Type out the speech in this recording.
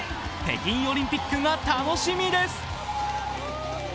北京オリンピックが楽しみです。